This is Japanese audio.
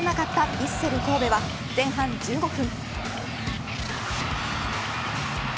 ヴィッセル神戸は前半１５分。